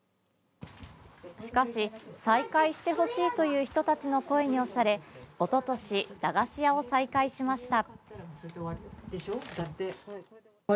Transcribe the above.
しかし、再開してほしいという人たちの声に押されおととし駄菓子屋を再開しました。